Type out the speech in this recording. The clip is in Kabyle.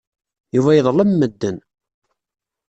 Yuba yeḍlem medden.